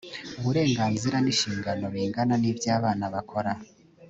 uburenganzira n inshingano bingana n iby abana bakora